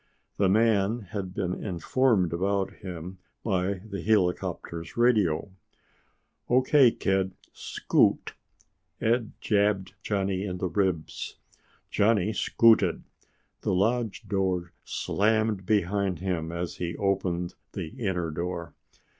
The man had been informed about him by the helicopter's radio. "O.K., kid, scoot!" Ed jabbed Johnny in the ribs. Johnny scooted. The lodge door slammed behind him and he opened the inner door.